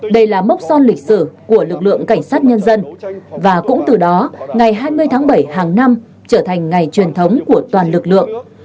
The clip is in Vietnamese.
đây là mốc son lịch sử của lực lượng cảnh sát nhân dân và cũng từ đó ngày hai mươi tháng bảy hàng năm trở thành ngày truyền thống của toàn lực lượng